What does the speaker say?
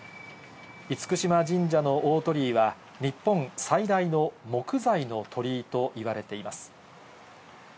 厳島神社の大鳥居は日本最大の木材の鳥居といわれています。